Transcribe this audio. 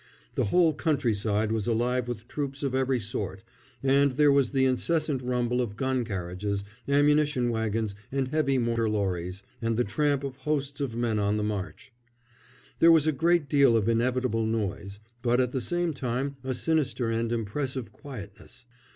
The whole countryside was alive with troops of every sort, and there was the incessant rumble of gun carriages, ammunition wagons and heavy motor lorries, and the tramp of hosts of men on the march. There was a great deal of inevitable noise, but at the same time a sinister and impressive quietness.